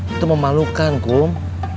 itu memalukan kum